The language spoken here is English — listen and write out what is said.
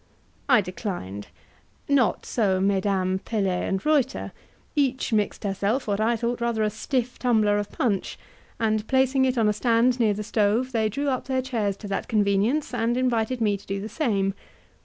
I declined. Not so Mesdames Pelet and Reuter; each mixed herself what I thought rather a stiff tumbler of punch, and placing it on a stand near the stove, they drew up their chairs to that convenience, and invited me to do the same.